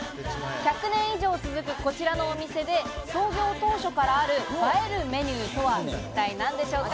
１００年以上続くこちらのお店で創業当初からある映えるメニューとは一体何でしょうか。